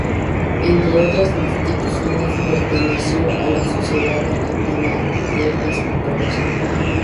Entre otras Instituciones, perteneció a la Sociedad Argentina de Escritores.